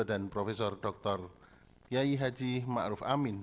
dan profesor dr yai haji ma ruf amin